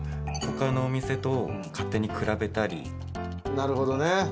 なるほどね。